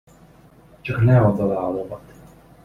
Csak ne add alá a lovat!